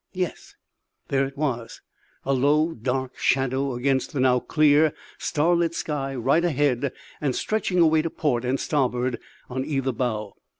Yes, there it was, a low, dark shadow against the now clear, starlit sky right ahead and stretching away to port and starboard on either bow.